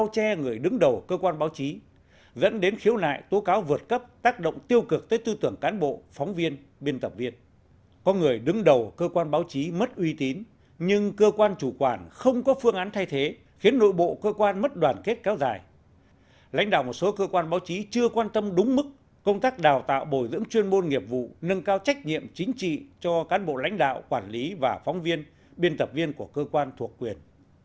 những năm gần đây tình trạng buông lỏng quản lý thiếu sâu sát kiểm tra của cơ quan báo chí chưa quan tâm đúng mức công tác đào tạo bồi dưỡng chuyên môn nghiệp vụ nâng cao trách nhiệm chính trị cho cán bộ lãnh đạo quản lý và phóng viên biên tập viên của cơ quan thuộc quyền